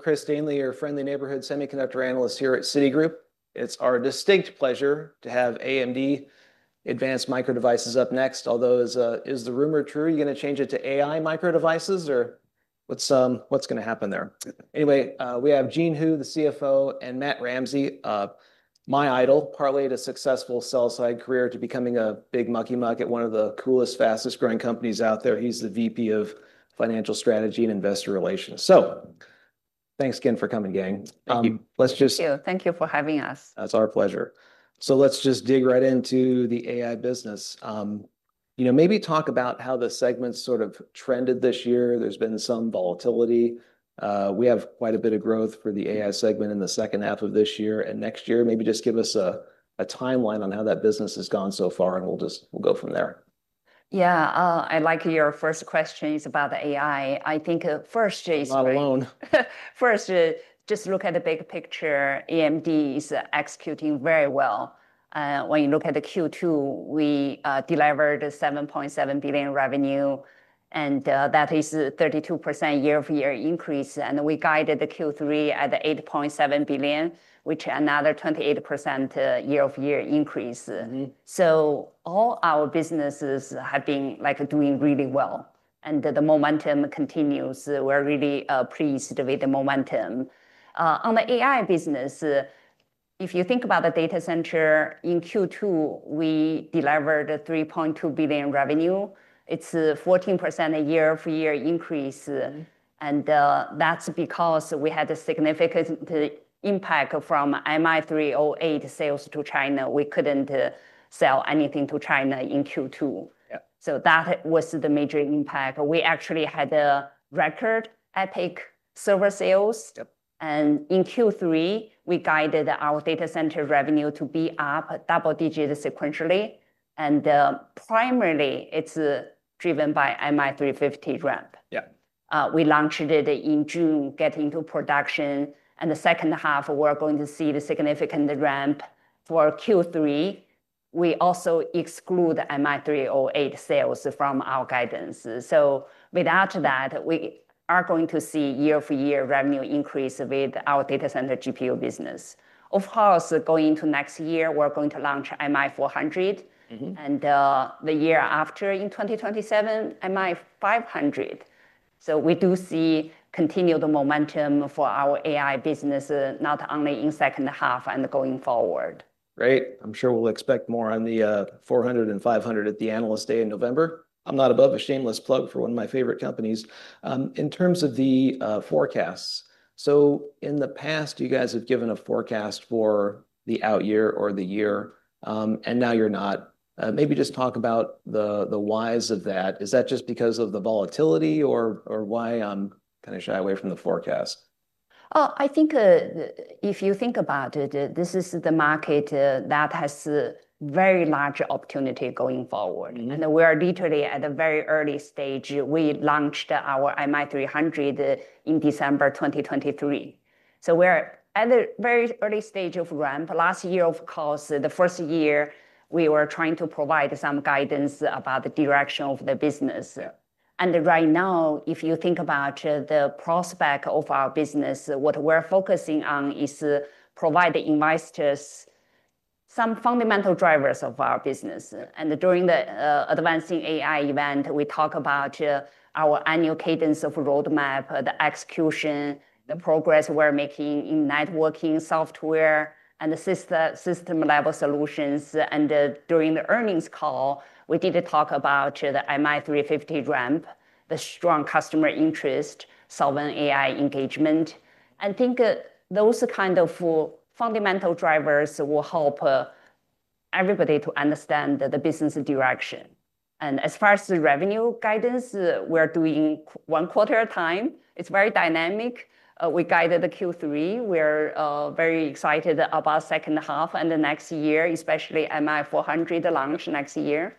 I'm Chris Danely, your friendly neighborhood semiconductor analyst here at Citigroup. It's our distinct pleasure to have AMD Advanced Micro Devices up next. Although, is the rumor true you're going to change it to AI Micro Devices, or what's going to happen there? Anyway, we have Jean Hu, the CFO, and Matt Ramsay, my idol, parlayed a successful sell-side career to becoming a big mucky-muck at one of the coolest, fastest growing companies out there. He's the VP of Financial Strategy and Investor Relations. So thanks again for coming, gang. Thank you. Let's just. Thank you. Thank you for having us. That's our pleasure. So let's just dig right into the AI business. You know, maybe talk about how the segment sort of trended this year. There's been some volatility. We have quite a bit of growth for the AI segment in the second half of this year and next year. Maybe just give us a timeline on how that business has gone so far, and we'll just go from there. Yeah, I like your first question is about the AI. I think first is. Not alone. First, just look at the big picture. AMD is executing very well. When you look at the Q2, we delivered $7.7 billion revenue, and that is a 32% year-over-year increase, and we guided the Q3 at $8.7 billion, which is another 28% year-over-year increase, so all our businesses have been doing really well, and the momentum continues. We're really pleased with the momentum. On the AI business, if you think about the data center, in Q2, we delivered $3.2 billion revenue. It's a 14% year-over-year increase, and that's because we had a significant impact from MI300 sales to China. We couldn't sell anything to China in Q2. So that was the major impact. We actually had a record EPYC server sales, and in Q3, we guided our data center revenue to be up double-digit sequentially, and primarily, it's driven by MI350 ramp. We launched it in June, getting into production. And the second half, we're going to see the significant ramp for Q3. We also exclude MI300 sales from our guidance. So without that, we are going to see year-over-year revenue increase with our data center GPU business. Of course, going into next year, we're going to launch MI400. And the year after, in 2027, MI500. So we do see continued momentum for our AI business, not only in the second half and going forward. Great. I'm sure we'll expect more on the 400 and 500 at the analyst day in November. I'm not above a shameless plug for one of my favorite companies. In terms of the forecasts, so in the past, you guys have given a forecast for the out year or the year, and now you're not. Maybe just talk about the whys of that. Is that just because of the volatility or why you kind of shy away from the forecast? I think if you think about it, this is the market that has a very large opportunity going forward, and we are literally at a very early stage. We launched our MI300 in December 2023, so we're at a very early stage of ramp. Last year, of course, the first year, we were trying to provide some guidance about the direction of the business, and right now, if you think about the prospect of our business, what we're focusing on is to provide investors some fundamental drivers of our business. And during the Advancing AI event, we talk about our annual cadence of roadmap, the execution, the progress we're making in networking software and system-level solutions, and during the earnings call, we did talk about the MI350 ramp, the strong customer interest, sovereign AI engagement. I think those kind of fundamental drivers will help everybody to understand the business direction. As far as the revenue guidance, we're doing one quarter at a time. It's very dynamic. We guided the Q3. We're very excited about the second half and the next year, especially MI400 launch next year.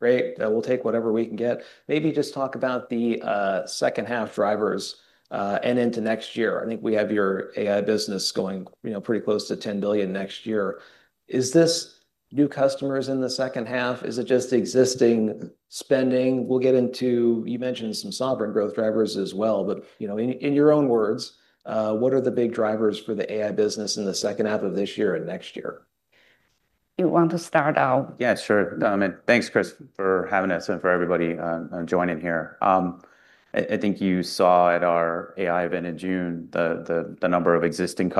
Great. We'll take whatever we can get. Maybe just talk about the second half drivers and into next year. I think we have your AI business going pretty close to $10 billion next year. Is this new customers in the second half? Is it just existing spending? We'll get into, you mentioned some sovereign growth drivers as well. But in your own words, what are the big drivers for the AI business in the second half of this year and next year? You want to start out? Yeah, sure. Thanks, Chris, for having us and for everybody joining here. I think you saw at our AI event in June the number of existing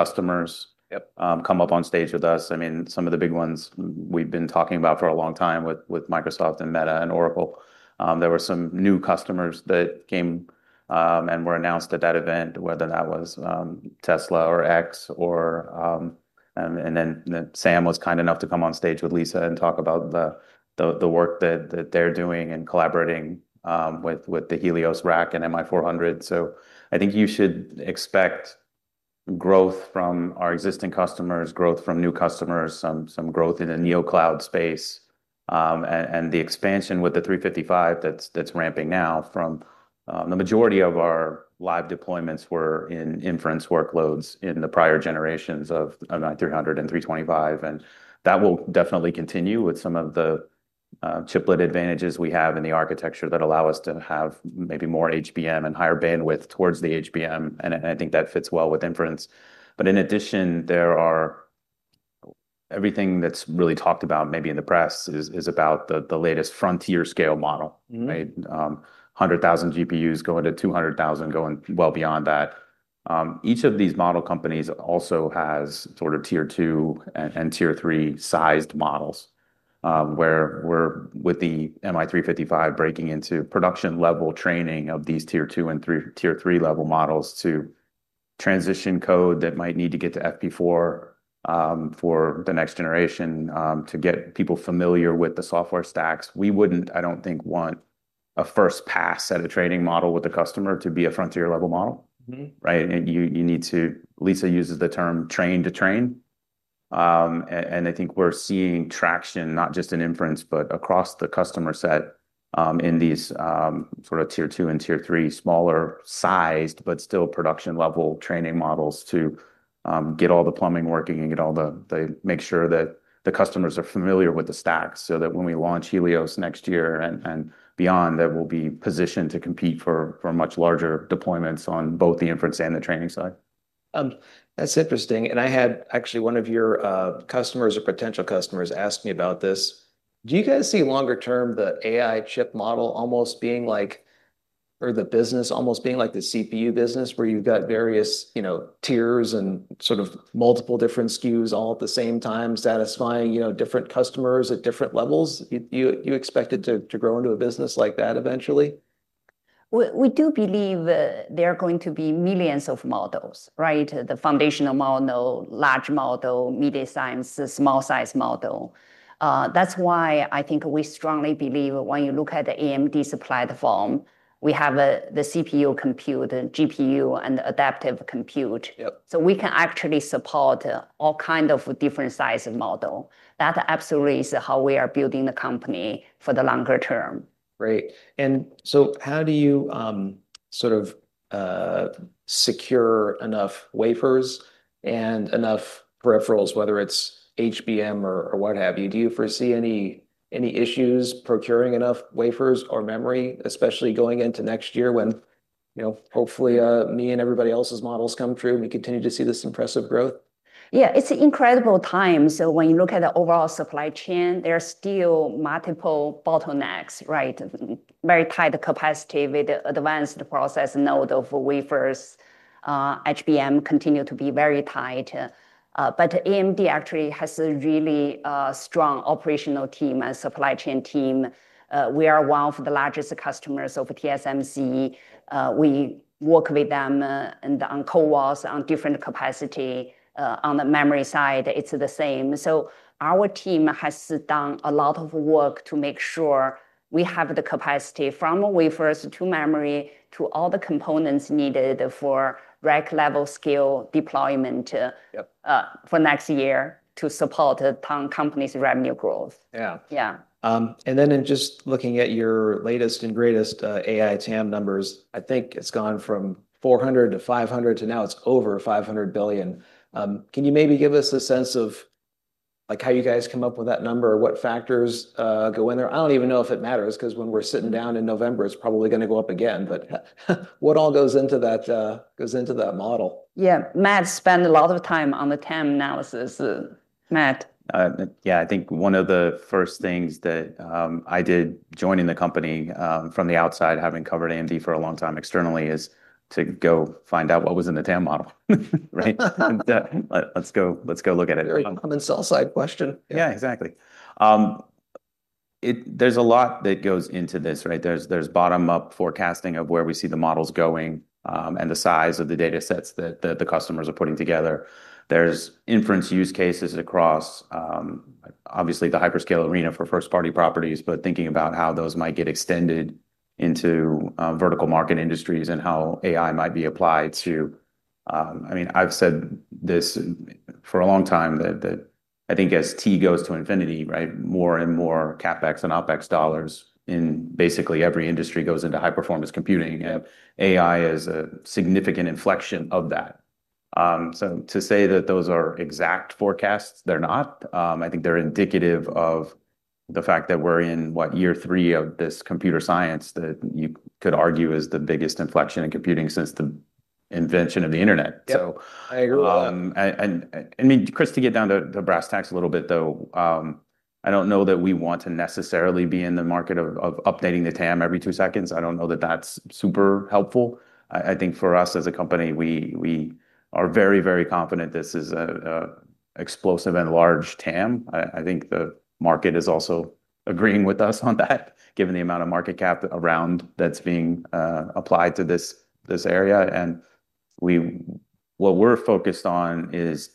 customers come up on stage with us. I mean, some of the big ones we've been talking about for a long time with Microsoft and Meta and Oracle. There were some new customers that came and were announced at that event, whether that was Tesla or X. And then Sam was kind enough to come on stage with Lisa and talk about the work that they're doing and collaborating with the Helios rack and MI400. So I think you should expect growth from our existing customers, growth from new customers, some growth in the neocloud space, and the expansion with the 355 that's ramping now. The majority of our live deployments were in inference workloads in the prior generations of MI300 and 325. That will definitely continue with some of the chiplet advantages we have in the architecture that allow us to have maybe more HBM and higher bandwidth towards the HBM. I think that fits well with inference. In addition, everything that's really talked about, maybe in the press, is about the latest frontier-scale model, right? 100,000 GPUs going to 200,000, going well beyond that. Each of these model companies also has sort of tier-two and tier-three sized models, where we're with the MI355 breaking into production-level training of these tier-two and tier-three level models to transition code that might need to get to FP4 for the next generation to get people familiar with the software stacks. We wouldn't, I don't think, want a first pass at a training model with a customer to be a frontier level model, right? And you need to. Lisa uses the term train to train. I think we're seeing traction, not just in inference, but across the customer set in these sort of tier-two and tier-three smaller-sized, but still production-level training models to get all the plumbing working and make sure that the customers are familiar with the stacks so that when we launch Helios next year and beyond, we'll be positioned to compete for much larger deployments on both the inference and the training side. That's interesting. I had actually one of your customers or potential customers ask me about this. Do you guys see longer term the AI chip model almost being like, or the business almost being like the CPU business where you've got various tiers and sort of multiple different SKUs all at the same time, satisfying different customers at different levels? You expect it to grow into a business like that eventually? We do believe there are going to be millions of models, right? The foundational model, large model, medium-sized model, small size model. That's why I think we strongly believe when you look at the AMD's platform, we have the CPU compute, GPU, and adaptive compute. So we can actually support all kinds of different size models. That absolutely is how we are building the company for the longer term. Great. And so how do you sort of secure enough wafers and enough peripherals, whether it's HBM or what have you? Do you foresee any issues procuring enough wafers or memory, especially going into next year when hopefully me and everybody else's models come through and we continue to see this impressive growth? Yeah, it's an incredible time. So when you look at the overall supply chain, there are still multiple bottlenecks, right? Very tight capacity with the advanced process node of wafers. HBM continues to be very tight. But AMD actually has a really strong operational team and supply chain team. We are one of the largest customers of TSMC. We work with them and on CoWoS on different capacity. On the memory side, it's the same. So our team has done a lot of work to make sure we have the capacity from wafers to memory to all the components needed for rack-level scale deployment for next year to support the company's revenue growth. Yeah. Yeah. And then in just looking at your latest and greatest AI TAM numbers, I think it's gone from $400 billion-$500 billion, and now it's over $500 billion. Can you maybe give us a sense of how you guys come up with that number or what factors go in there? I don't even know if it matters because when we're sitting down in November, it's probably going to go up again. But what all goes into that model? Yeah, Matt spent a lot of time on the TAM analysis. Matt. Yeah, I think one of the first things that I did joining the company from the outside, having covered AMD for a long time externally, is to go find out what was in the TAM model, right? Let's go look at it. Very common sell-side question. Yeah, exactly. There's a lot that goes into this, right? There's bottom-up forecasting of where we see the models going and the size of the data sets that the customers are putting together. There's inference use cases across, obviously, the hyperscale arena for first-party properties, but thinking about how those might get extended into vertical market industries and how AI might be applied to. I mean, I've said this for a long time that I think as T goes to infinity, right, more and more CapEx and OpEx dollars in basically every industry goes into high-performance computing. AI is a significant inflection of that. So to say that those are exact forecasts, they're not. I think they're indicative of the fact that we're in, what, year three of this computer science that you could argue is the biggest inflection in computing since the invention of the internet. Yeah, I agree with that. I mean, Chris, to get down to brass tacks a little bit, though, I don't know that we want to necessarily be in the market of updating the TAM every two seconds. I don't know that that's super helpful. I think for us as a company, we are very, very confident this is an explosive and large TAM. I think the market is also agreeing with us on that, given the amount of market cap around that's being applied to this area. What we're focused on is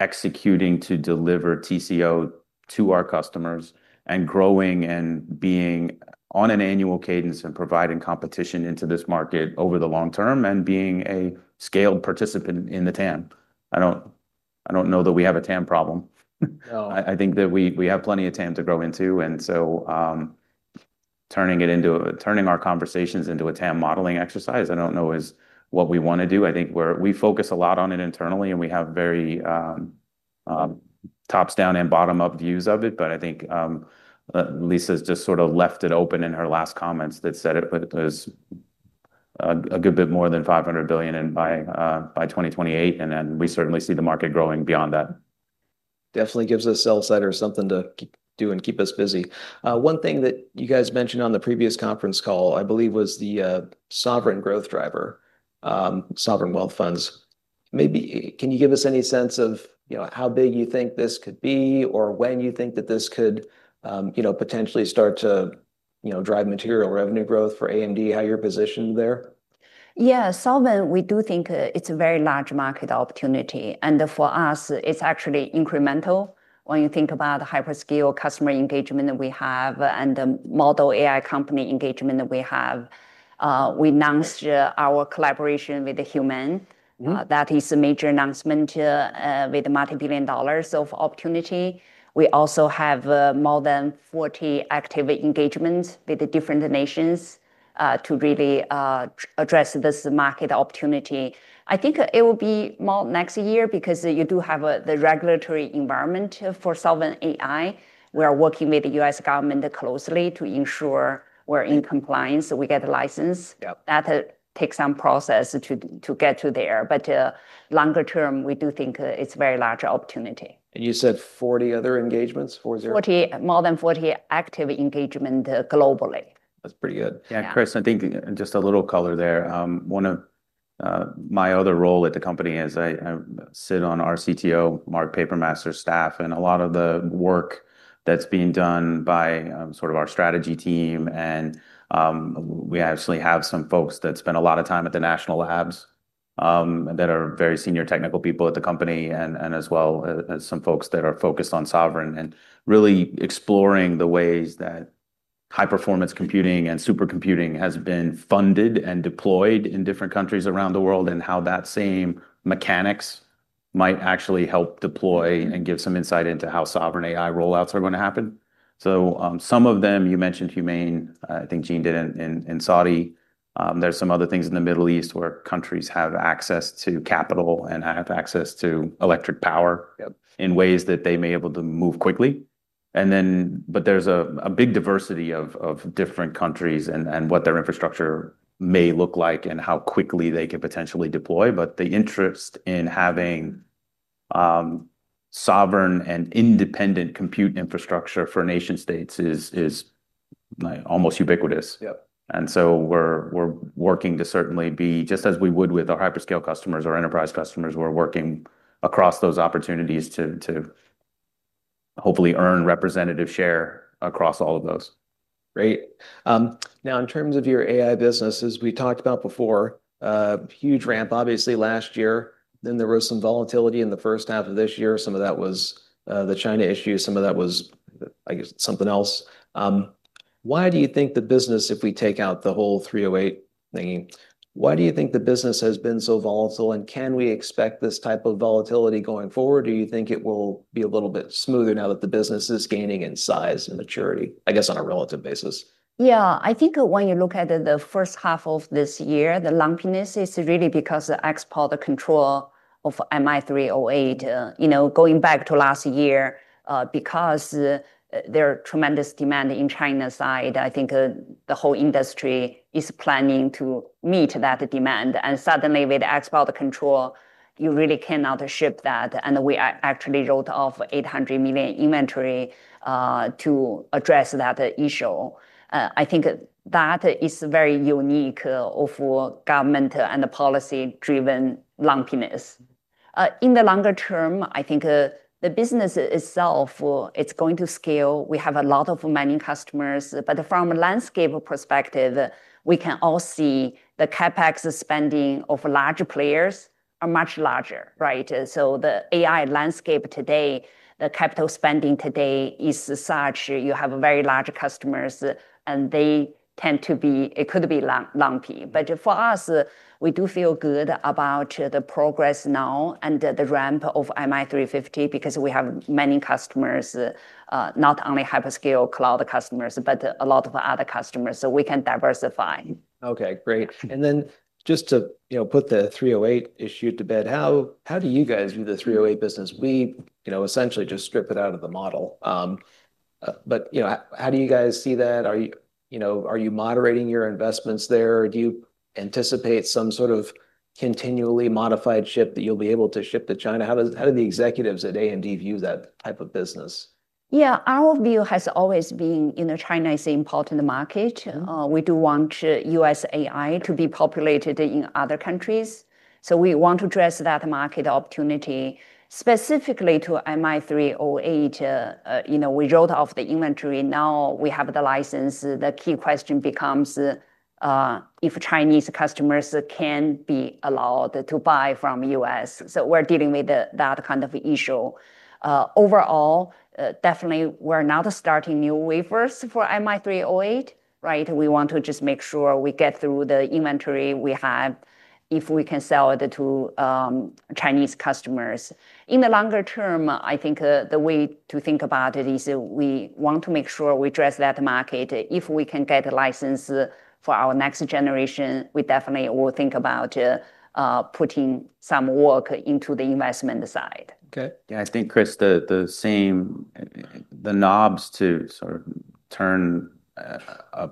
executing to deliver TCO to our customers and growing and being on an annual cadence and providing competition into this market over the long term and being a scaled participant in the TAM. I don't know that we have a TAM problem. I think that we have plenty of TAM to grow into. And so, turning our conversations into a TAM modeling exercise, I don't know is what we want to do. I think we focus a lot on it internally, and we have very top-down and bottom-up views of it. But I think Lisa just sort of left it open in her last comments that said it was a good bit more than $500 billion by 2028. And then we certainly see the market growing beyond that. Definitely gives us sell-side or something to do and keep us busy. One thing that you guys mentioned on the previous conference call, I believe, was the sovereign growth driver, sovereign wealth funds. Maybe can you give us any sense of how big you think this could be or when you think that this could potentially start to drive material revenue growth for AMD, how you're positioned there? Yeah, sovereign, we do think it's a very large market opportunity. And for us, it's actually incremental. When you think about the hyperscale customer engagement that we have and the major AI company engagement that we have, we announced our collaboration with HPE. That is a major announcement with multi-billion dollars of opportunity. We also have more than 40 active engagements with different nations to really address this market opportunity. I think it will be more next year because you do have the regulatory environment for sovereign AI. We are working with the U.S. government closely to ensure we're in compliance. We get a license. That takes some process to get to there. But longer term, we do think it's a very large opportunity. You said 40 other engagements? 40, more than 40 active engagements globally. That's pretty good. Yeah, Chris, I think just a little color there. One of my other roles at the company is I sit on our CTO, Mark Papermaster's staff, and a lot of the work that's being done by sort of our strategy team. We actually have some folks that spend a lot of time at the national labs that are very senior technical people at the company and as well as some folks that are focused on sovereign and really exploring the ways that high-performance computing and supercomputing has been funded and deployed in different countries around the world and how that same mechanics might actually help deploy and give some insight into how sovereign AI rollouts are going to happen. Some of them, you mentioned HPE, I think Jean did, and Saudi Arabia. There's some other things in the Middle East where countries have access to capital and have access to electric power in ways that they may be able to move quickly. But there's a big diversity of different countries and what their infrastructure may look like and how quickly they can potentially deploy. But the interest in having sovereign and independent compute infrastructure for nation-states is almost ubiquitous. And so we're working to certainly be, just as we would with our hyperscale customers, our enterprise customers, we're working across those opportunities to hopefully earn representative share across all of those. Great. Now, in terms of your AI business, as we talked about before, huge ramp, obviously, last year. Then there was some volatility in the first half of this year. Some of that was the China issue. Some of that was, I guess, something else. Why do you think the business, if we take out the whole MI300 thing, why do you think the business has been so volatile? And can we expect this type of volatility going forward? Do you think it will be a little bit smoother now that the business is gaining in size and maturity, I guess, on a relative basis? Yeah, I think when you look at the first half of this year, the lumpiness is really because of export control of MI300. Going back to last year, because there's tremendous demand in China side, I think the whole industry is planning to meet that demand. And suddenly, with export control, you really cannot ship that. And we actually rolled off $800 million inventory to address that issue. I think that is very unique for government and policy-driven lumpiness. In the longer term, I think the business itself, it's going to scale. We have a lot of many customers. But from a landscape perspective, we can all see the CapEx spending of large players are much larger, right? So the AI landscape today, the capital spending today is such. You have very large customers, and they tend to be, it could be lumpy. But for us, we do feel good about the progress now and the ramp of MI350 because we have many customers, not only hyperscale cloud customers, but a lot of other customers. So we can diversify. Okay, great. And then just to put the 308 issue to bed, how do you guys do the 308 business? We essentially just strip it out of the model. But how do you guys see that? Are you moderating your investments there? Do you anticipate some sort of continually modified ship that you'll be able to ship to China? How do the executives at AMD view that type of business? Yeah, our view has always been China is an important market. We do want U.S. AI to be populated in other countries. So we want to address that market opportunity. Specifically to MI300, we rolled off the inventory. Now we have the license. The key question becomes if Chinese customers can be allowed to buy from the U.S. So we're dealing with that kind of issue. Overall, definitely, we're not starting new wafers for MI300, right? We want to just make sure we get through the inventory we have if we can sell it to Chinese customers. In the longer term, I think the way to think about it is we want to make sure we address that market. If we can get a license for our next generation, we definitely will think about putting some work into the investment side. Okay. Yeah, I think, Chris, the knobs to sort of turn a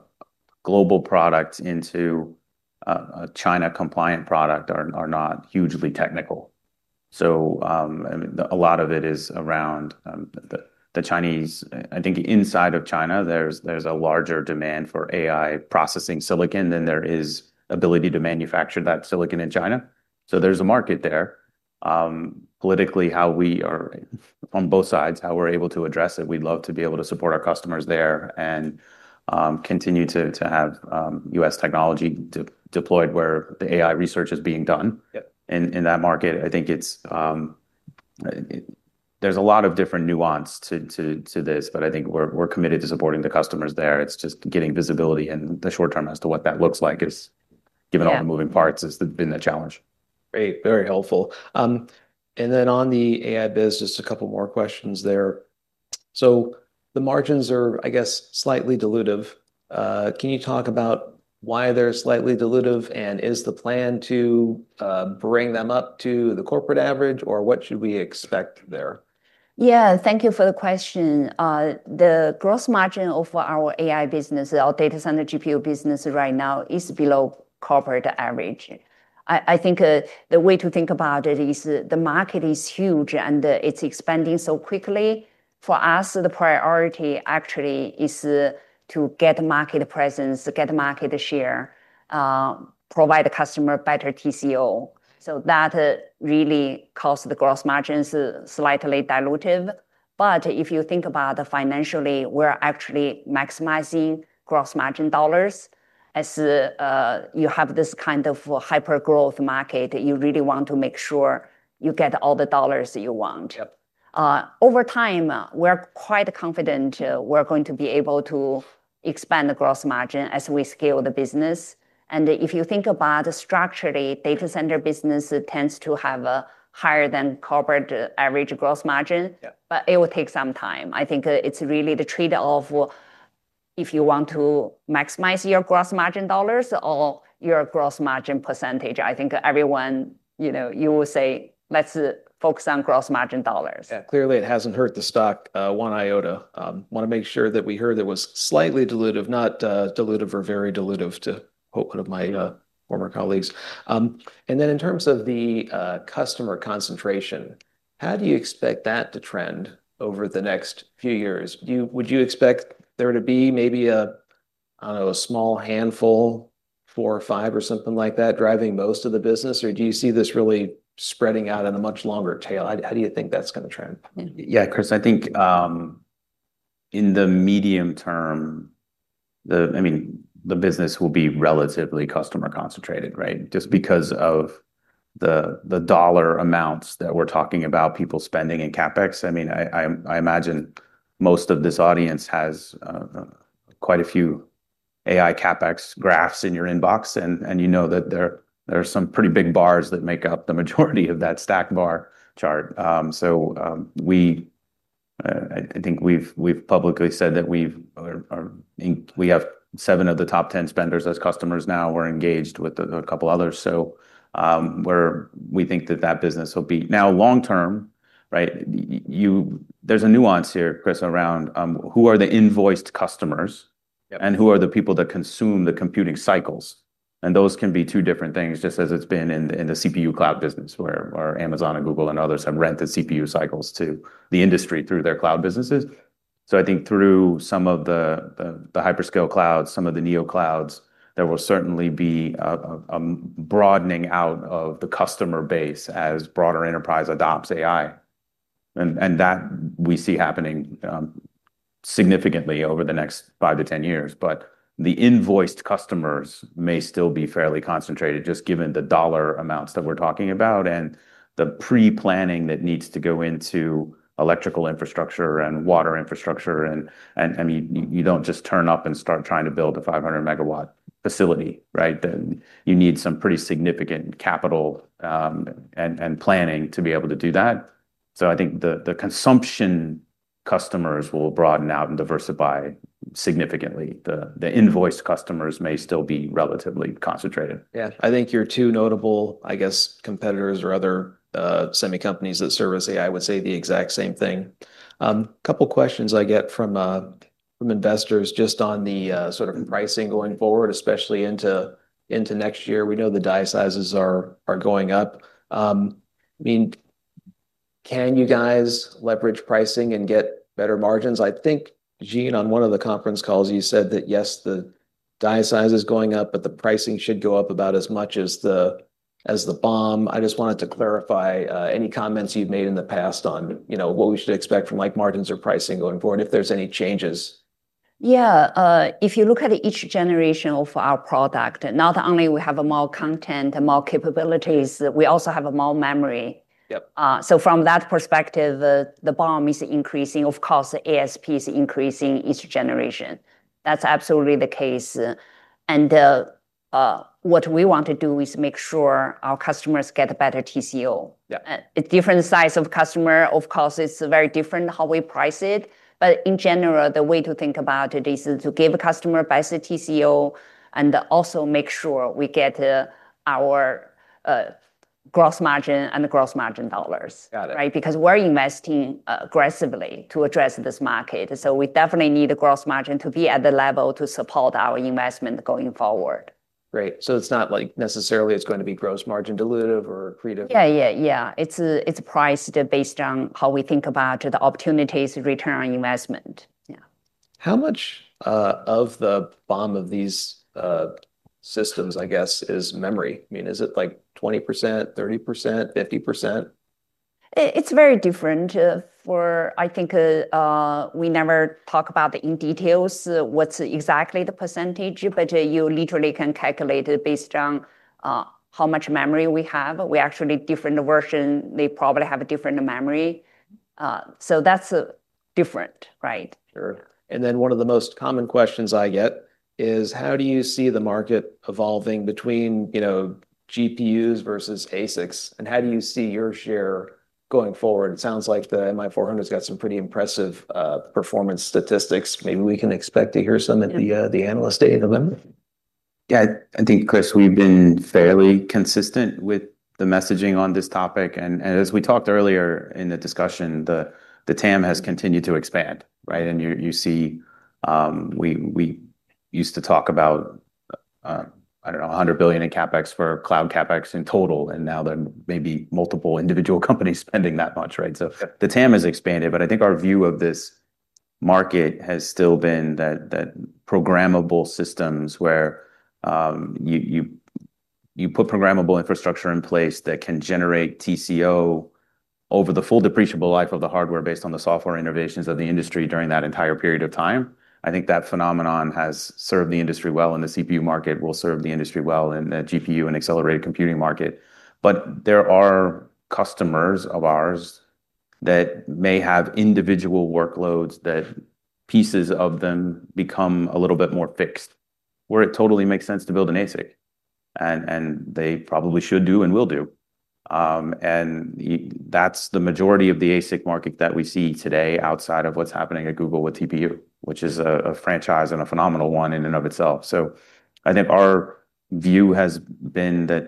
global product into a China-compliant product are not hugely technical. So a lot of it is around the Chinese. I think inside of China, there's a larger demand for AI processing silicon than there is ability to manufacture that silicon in China. So there's a market there. Politically, on both sides, how we're able to address it, we'd love to be able to support our customers there and continue to have U.S. technology deployed where the AI research is being done. In that market, I think there's a lot of different nuance to this, but I think we're committed to supporting the customers there. It's just getting visibility in the short term as to what that looks like, given all the moving parts, has been the challenge. Great. Very helpful. And then on the AI biz, just a couple more questions there. So the margins are, I guess, slightly dilutive. Can you talk about why they're slightly dilutive and is the plan to bring them up to the corporate average or what should we expect there? Yeah, thank you for the question. The gross margin of our AI business, our data center GPU business right now, is below corporate average. I think the way to think about it is the market is huge and it's expanding so quickly. For us, the priority actually is to get market presence, get market share, provide customers better TCO. So that really caused the gross margins to be slightly dilutive. But if you think about it financially, we're actually maximizing gross margin dollars. As you have this kind of hyper-growth market, you really want to make sure you get all the dollars you want. Over time, we're quite confident we're going to be able to expand the gross margin as we scale the business. And if you think about it structurally, data center business tends to have a higher than corporate average gross margin, but it will take some time. I think it's really the trade-off if you want to maximize your gross margin dollars or your gross margin percentage. I think everyone, you will say, let's focus on gross margin dollars. Yeah, clearly, it hasn't hurt the stock one iota. I want to make sure that we heard it was slightly dilutive, not dilutive or very dilutive, to quote one of my former colleagues. And then in terms of the customer concentration, how do you expect that to trend over the next few years? Would you expect there to be maybe a small handful, four or five or something like that, driving most of the business, or do you see this really spreading out in a much longer tail? How do you think that's going to trend? Yeah, Chris, I think in the medium term, I mean, the business will be relatively customer concentrated, right? Just because of the dollar amounts that we're talking about, people spending in CapEx. I mean, I imagine most of this audience has quite a few AI CapEx graphs in your inbox, and you know that there are some pretty big bars that make up the majority of that stacked bar chart. So I think we've publicly said that we have seven of the top 10 spenders as customers now. We're engaged with a couple others. So we think that that business will be now long term, right? There's a nuance here, Chris, around who are the invoiced customers and who are the people that consume the computing cycles. Those can be two different things, just as it's been in the CPU cloud business, where Amazon and Google and others have rented CPU cycles to the industry through their cloud businesses. So I think through some of the hyperscale clouds, some of the neocloud, there will certainly be a broadening out of the customer base as broader enterprise adopts AI. And that we see happening significantly over the next five to 10 years. But the invoiced customers may still be fairly concentrated, just given the dollar amounts that we're talking about and the pre-planning that needs to go into electrical infrastructure and water infrastructure. And I mean, you don't just turn up and start trying to build a 500-megawatt facility, right? You need some pretty significant capital and planning to be able to do that. So I think the consumption customers will broaden out and diversify significantly. The invoiced customers may still be relatively concentrated. Yeah, I think your two notable, I guess, competitors or other semi-companies that service AI would say the exact same thing. A couple of questions I get from investors just on the sort of pricing going forward, especially into next year. We know the die sizes are going up. I mean, can you guys leverage pricing and get better margins? I think, Jean, on one of the conference calls, you said that, yes, the die size is going up, but the pricing should go up about as much as the BOM. I just wanted to clarify any comments you've made in the past on what we should expect from margins or pricing going forward, if there's any changes. Yeah, if you look at each generation of our product, not only do we have more content and more capabilities, we also have more memory. So from that perspective, the BOM is increasing. Of course, the ASP is increasing each generation. That's absolutely the case. And what we want to do is make sure our customers get a better TCO. Different size of customer, of course, it's very different how we price it. But in general, the way to think about it is to give a customer a better TCO and also make sure we get our gross margin and the gross margin dollars, right? Because we're investing aggressively to address this market. So we definitely need a gross margin to be at the level to support our investment going forward. Great. So it's not necessarily going to be gross margin dilutive or accretive? Yeah, yeah, yeah. It's priced based on how we think about the opportunities, return on investment. Yeah. How much of the BOM of these systems, I guess, is memory? I mean, is it like 20%, 30%, 50%? It's very different. I think we never talk about in detail what's exactly the percentage, but you literally can calculate it based on how much memory we have. We actually have different versions. They probably have different memory. So that's different, right? Sure. And then one of the most common questions I get is, how do you see the market evolving between GPUs versus ASICs? And how do you see your share going forward? It sounds like the MI400 has got some pretty impressive performance statistics. Maybe we can expect to hear some at the analyst day about them. Yeah, I think, Chris, we've been fairly consistent with the messaging on this topic. And as we talked earlier in the discussion, the TAM has continued to expand, right? And you see we used to talk about, I don't know, $100 billion in CapEx for cloud CapEx in total. And now there may be multiple individual companies spending that much, right? So the TAM has expanded. But I think our view of this market has still been that programmable systems where you put programmable infrastructure in place that can generate TCO over the full depreciable life of the hardware based on the software innovations of the industry during that entire period of time. I think that phenomenon has served the industry well, and the CPU market will serve the industry well in the GPU and accelerated computing market. But there are customers of ours that may have individual workloads that pieces of them become a little bit more fixed, where it totally makes sense to build an ASIC. And they probably should do and will do. And that's the majority of the ASIC market that we see today outside of what's happening at Google with TPU, which is a franchise and a phenomenal one in and of itself. So I think our view has been that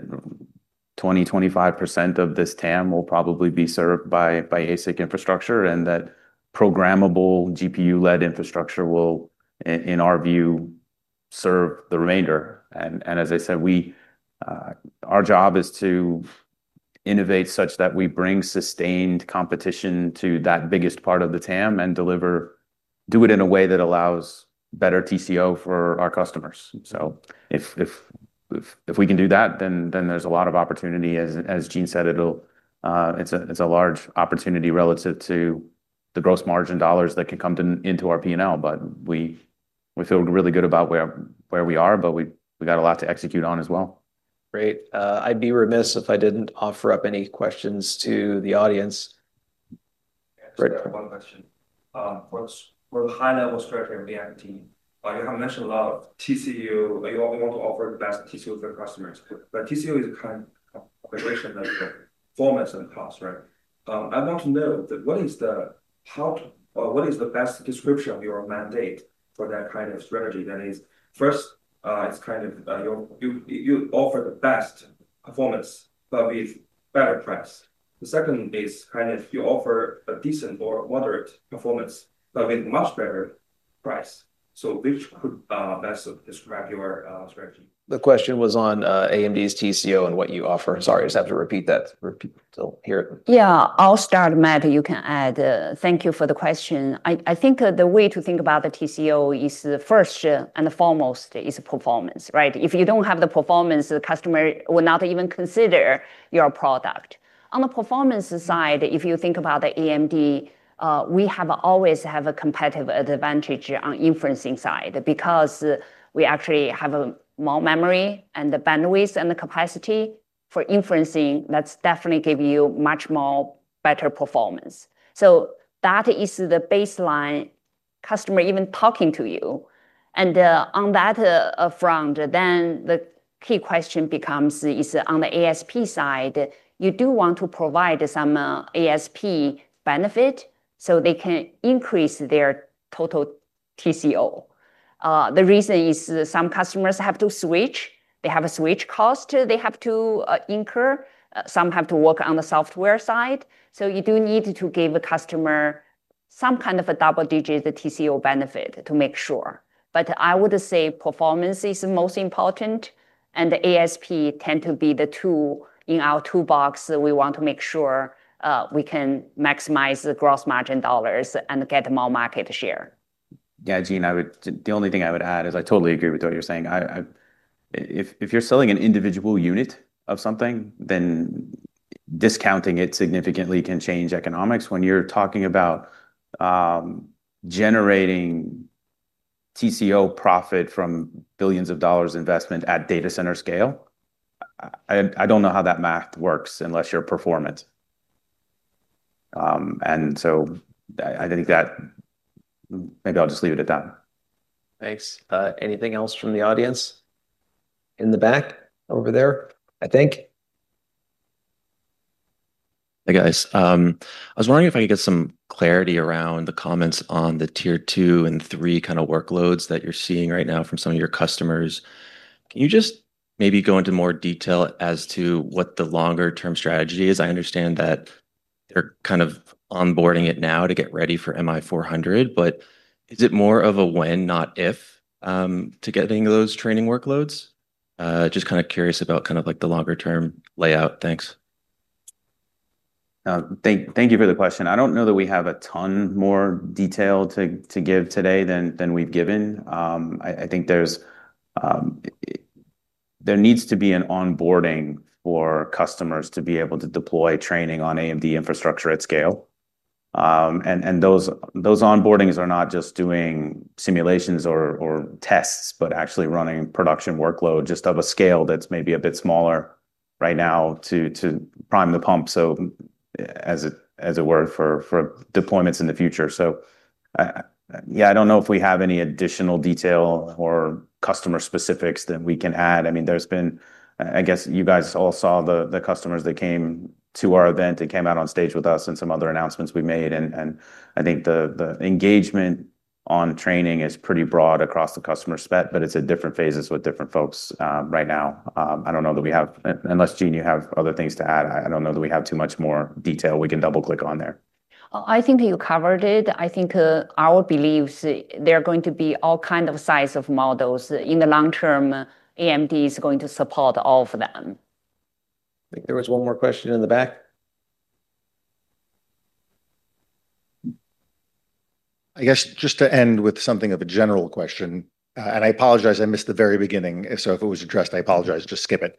20%-25% of this TAM will probably be served by ASIC infrastructure and that programmable GPU-led infrastructure will, in our view, serve the remainder. And as I said, our job is to innovate such that we bring sustained competition to that biggest part of the TAM and deliver, do it in a way that allows better TCO for our customers. So if we can do that, then there's a lot of opportunity. As Jean said, it's a large opportunity relative to the gross margin dollars that can come into our P&L. But we feel really good about where we are, but we got a lot to execute on as well. Great. I'd be remiss if I didn't offer up any questions to the audience. I just have one question. For the high-level strategy of the AI, you have mentioned a lot of TCO. You want to offer the best TCO for customers. But TCO is a combination of performance and cost, right? I want to know what is the best description of your mandate for that kind of strategy? That is, first, it's kind of you offer the best performance, but with better price. The second is kind of you offer a decent or moderate performance, but with much better price. So which could best describe your strategy? The question was on AMD's TCO and what you offer. Sorry, I just have to repeat that. Yeah, I'll start, Matt, if you can add. Thank you for the question. I think the way to think about the TCO is first and foremost is performance, right? If you don't have the performance, the customer will not even consider your product. On the performance side, if you think about AMD, we have always had a competitive advantage on the inferencing side because we actually have more memory and the bandwidth and the capacity for inferencing that's definitely giving you much more better performance. So that is the baseline customer even talking to you, and on that front, then the key question becomes on the ASP side, you do want to provide some ASP benefit so they can increase their total TCO. The reason is some customers have to switch. They have a switch cost they have to incur. Some have to work on the software side. So you do need to give a customer some kind of a double-digit TCO benefit to make sure. But I would say performance is most important. And the ASP tend to be the two in our toolbox that we want to make sure we can maximize the gross margin dollars and get more market share. Yeah, Jean, the only thing I would add is I totally agree with what you're saying. If you're selling an individual unit of something, then discounting it significantly can change economics. When you're talking about generating TCO profit from billions of dollars investment at data center scale, I don't know how that math works unless you're performant. And so I think that maybe I'll just leave it at that. Thanks. Anything else from the audience in the back over there, I think? Hey, guys. I was wondering if I could get some clarity around the comments on the tier-two and three kind of workloads that you're seeing right now from some of your customers. Can you just maybe go into more detail as to what the longer-term strategy is? I understand that they're kind of onboarding it now to get ready for MI400. But is it more of a when, not if, to getting those training workloads? Just kind of curious about kind of like the longer-term layout. Thanks. Thank you for the question. I don't know that we have a ton more detail to give today than we've given. I think there needs to be an onboarding for customers to be able to deploy training on AMD infrastructure at scale, and those onboardings are not just doing simulations or tests, but actually running production workload just of a scale that's maybe a bit smaller right now to prime the pump, so as it were, for deployments in the future, so yeah, I don't know if we have any additional detail or customer specifics that we can add. I mean, there's been, I guess you guys all saw the customers that came to our event and came out on stage with us and some other announcements we made. And I think the engagement on training is pretty broad across the customer set, but it's at different phases with different folks right now. I don't know that we have, unless Jean, you have other things to add. I don't know that we have too much more detail we can double-click on there. I think you covered it. I think our beliefs there are going to be all kinds of size of models. In the long term, AMD is going to support all of them. I think there was one more question in the back. I guess just to end with something of a general question. And I apologize. I missed the very beginning. So if it was addressed, I apologize. Just skip it.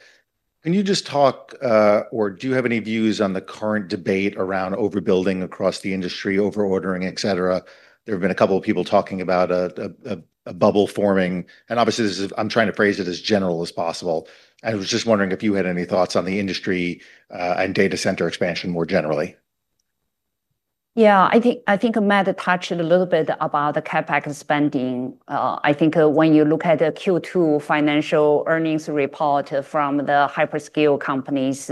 Can you just talk, or do you have any views on the current debate around overbuilding across the industry, overordering, et cetera? There have been a couple of people talking about a bubble forming. And obviously, I'm trying to phrase it as general as possible. And I was just wondering if you had any thoughts on the industry and data center expansion more generally. Yeah, I think Matt touched a little bit about the CapEx spending. I think when you look at the Q2 financial earnings report from the hyperscale companies,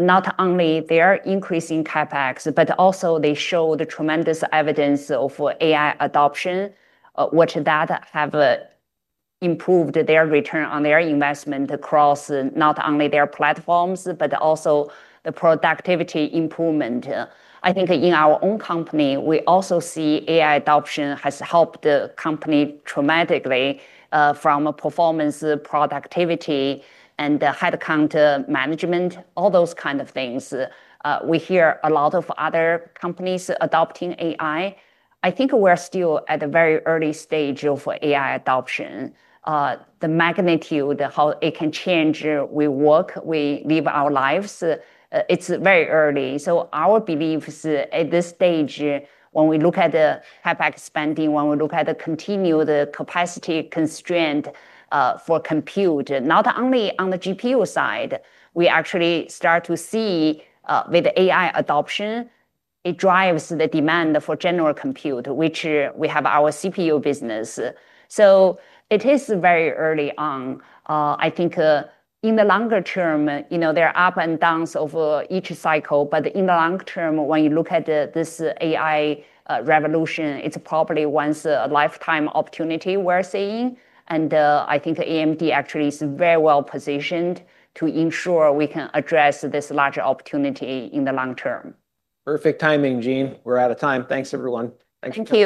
not only they are increasing CapEx, but also they show the tremendous evidence of AI adoption, which data have improved their return on their investment across not only their platforms, but also the productivity improvement. I think in our own company, we also see AI adoption has helped the company dramatically from performance, productivity, and headcount management, all those kind of things. We hear a lot of other companies adopting AI. I think we're still at a very early stage of AI adoption. The magnitude, how it can change we work, we live our lives, it's very early. So our beliefs at this stage, when we look at the CapEx spending, when we look at the continued capacity constraint for compute, not only on the GPU side, we actually start to see with AI adoption, it drives the demand for general compute, which we have our CPU business. So it is very early on. I think in the longer term, there are ups and downs over each cycle. But in the long term, when you look at this AI revolution, it's probably once a lifetime opportunity we're seeing. And I think AMD actually is very well positioned to ensure we can address this larger opportunity in the long term. Perfect timing, Jean. We're out of time. Thanks, everyone. Thanks to you.